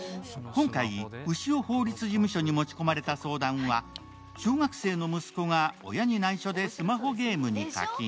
今回、潮法律事務所に持ち込まれた相談は小学生の息子が親に内緒でスマホゲームに課金。